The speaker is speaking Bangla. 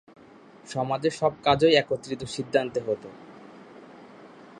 সমাজে সব কাজই একত্রিত সিদ্ধান্তে হতো।